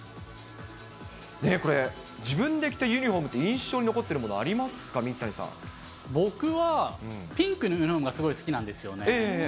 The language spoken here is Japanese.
ねっ、これ、自分で着たユニホームで印象に残っているものってありますか、僕はピンクのユニホームがすごい好きなんですよね。